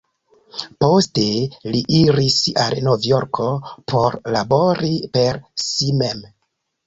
Poste li iris al Novjorko por labori per si mem.